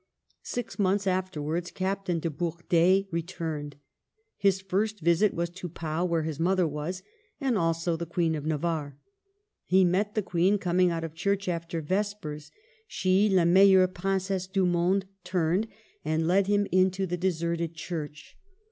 Six months after wards Captain de Bourdeille returned. His first visit was to Pau, where his mother was, and also the Queen of Navarre. He met the Queen com ing out of church after vespers. She, la meil lenre princes se du mondey turned, and led him nErac in 1545. 283 into the deserted church.